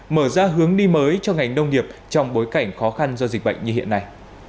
mở ra hướng đi mới cho ngành nông nghiệp trong bối cảnh khó khăn do dịch bệnh như hiện nay